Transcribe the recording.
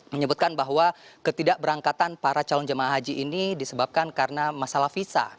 menyebutkan bahwa ketidakberangkatan para calon jemaah haji ini disebabkan karena masalah visa